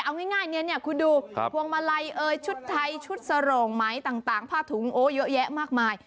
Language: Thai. เอาง่ายเนี่ยคุณดูพวงมาลัยเอ่ยชุดไทยชุดสโรงไหมต่างผ้าถุงโอ้เยอะแยะมากมาย